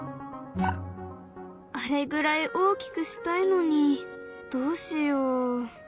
あれぐらい大きくしたいのにどうしよう。